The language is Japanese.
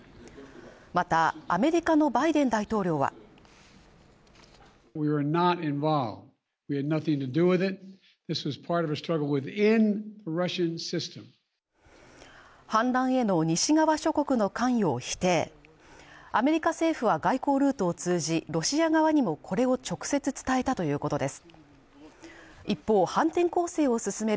また、アメリカのバイデン大統領は反乱への西側諸国の関与を否定アメリカ政府は外交ルートを通じロシア側にもこれを直接伝えたということです